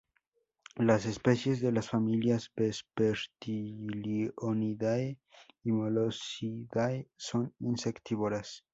Las especies de las familias Vespertilionidae y Molossidae son insectívoras.